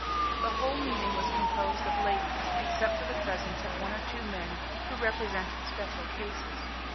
The whole meeting was composed of ladies, except for the presence of one or two men who represented special cases.